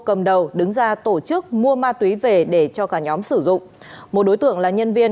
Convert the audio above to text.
cầm đầu đứng ra tổ chức mua ma túy về để cho cả nhóm sử dụng một đối tượng là nhân viên